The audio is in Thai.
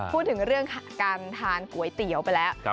พูดถึงเรื่องการทานก๋วยเตี๋ยวไปแล้ว